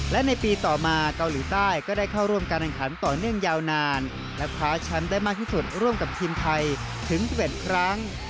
และในปีต่อมาเกาหลีใต้ก็ได้เข้าร่วมการแข่งขันต่อเนื่องยาวนานและคว้าแชมป์ได้มากที่สุดร่วมกับทีมไทยถึง๑๑ครั้ง